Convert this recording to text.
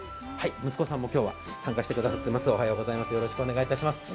息子さんも今日は参加してくださっています。